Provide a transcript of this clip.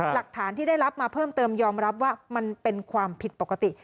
หลักฐานที่ได้รับมาเพิ่มเติมยอมรับว่ามันเป็นความผิดปกติ